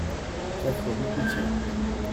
quatre rue Coutié